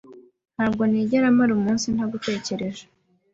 Ntabwo nigera mara umunsi ntagutekereje.